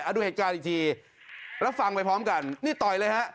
ดูเหตุการณ์อีกทีแล้วฟังไปพร้อมกันนี่ต่อยเลยฮะ